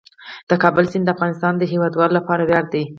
د کابل سیند د افغانستان د هیوادوالو لپاره ویاړ دی.